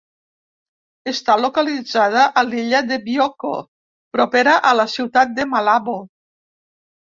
Està localitzada a l'illa de Bioko, propera a la ciutat de Malabo.